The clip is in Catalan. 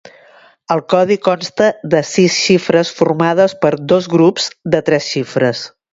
El codi consta de sis xifres formades per dos grups de tres xifres.